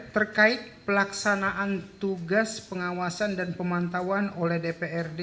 terkait pelaksanaan tugas pengawasan dan pemantauan oleh dprd